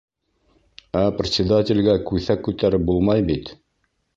Ә председателгә күҫәк күтәреп булмай бит.